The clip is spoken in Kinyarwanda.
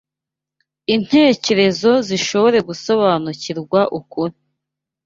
intekerezo ntizishobore gusobanukirwa ukuri.